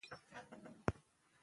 ډيپلومات له چارواکو سره ناستې کوي.